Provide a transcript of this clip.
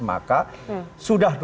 maka sudah dua puluh persatu